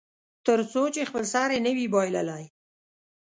تر څو چې خپل سر یې نه وي بایللی.